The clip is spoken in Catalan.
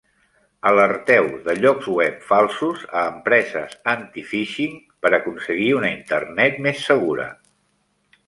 Alerteu de llocs web falsos a empreses anti-phishing per aconseguir una internet més segura.